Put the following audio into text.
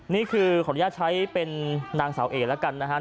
นี่คือขออนุญาตใช้เป็นนางสาวเอแล้วกันนะครับ